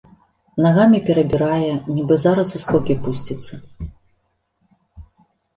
Нагамі перабірае, нібы зараз у скокі пусціцца.